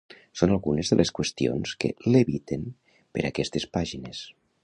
Són algunes de les qüestions que leviten per aquestes pàgines.